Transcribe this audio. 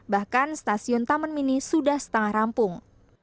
bahkan stasiun taman mini sudah setengah rampung